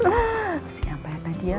apa sih yang bayarnya tadi yaa